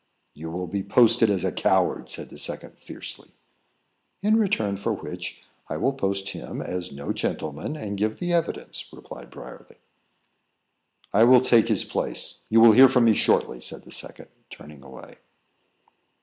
"You will be posted as a coward," said the second, fiercely. "In return for which I will post him as no gentleman, and give the evidence," replied Briarly. "I will take his place. You will hear from me shortly," said the second, turning away.